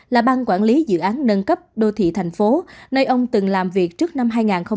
là bang quản lý dự án nâng cấp đô thị thành phố nơi ông từng làm việc trước năm hai nghìn một mươi